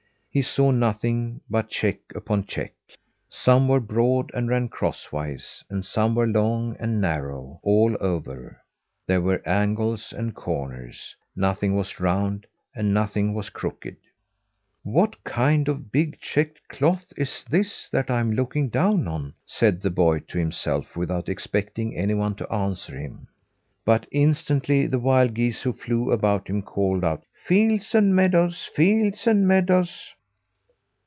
He saw nothing but check upon check. Some were broad and ran crosswise, and some were long and narrow all over, there were angles and corners. Nothing was round, and nothing was crooked. "What kind of a big, checked cloth is this that I'm looking down on?" said the boy to himself without expecting anyone to answer him. But instantly the wild geese who flew about him called out: "Fields and meadows. Fields and meadows."